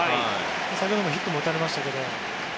先ほどヒットも打たれましたが。